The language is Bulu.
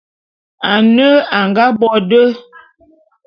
Ane a nga bo de.